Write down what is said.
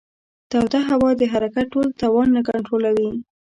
توده هوا د حرکت ټول توان نه کنټرولوي.